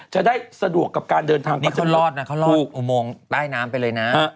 จะได้สะดวกกับการเดินทางประจำนี้เค้าลอดนะเค้าลอดอุโมงใต้น้ำไปเลยนะ